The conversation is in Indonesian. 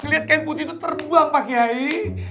lihat kain putih itu terbuang pakai air